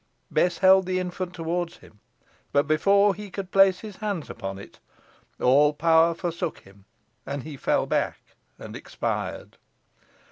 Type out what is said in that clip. Bess held the infant towards him; but before he could place his hands upon it all power forsook him, and he fell back and expired.